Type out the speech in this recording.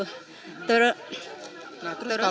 nah terus kalau selama barang barang ini belum ada